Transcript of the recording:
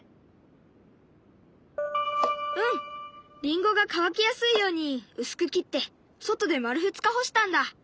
りんごが乾きやすいように薄く切って外で丸２日干したんだ。